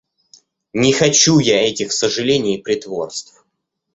Не хочу я этих сожалений и притворств!